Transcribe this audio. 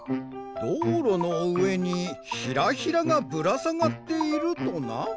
どうろのうえにヒラヒラがぶらさがっているとな？